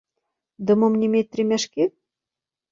Дома мне мець тры мяшкі?